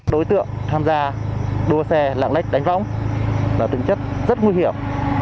đối tượng tham gia đua xe lạng lách đánh vong là tình chất rất nguy hiểm